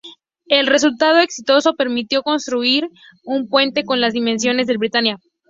El resultado exitoso permitió construir un puente con las dimensiones del Britannia.